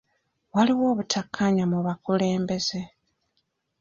Waliwo obutakkaanya mu bakulembeza.